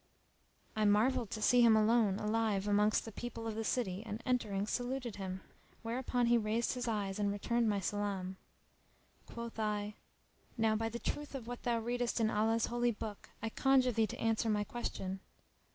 I marvelled to see him alone alive amongst the people of the city and entering saluted him; whereupon he raised his eyes and returned my salam. Quoth I, "Now by the Truth of what thou readest in Allah's Holy Book, I conjure thee to answer my question."